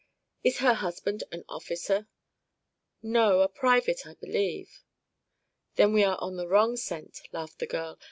"Is her husband an officer?" "No; a private, I believe." "Then we are on the wrong scent," laughed the girl.